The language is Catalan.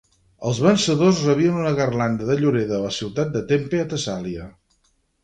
Els vencedors rebien una garlanda de llorer de la ciutat de Tempe a Tessàlia.